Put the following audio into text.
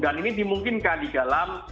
dan ini dimungkinkan di dalam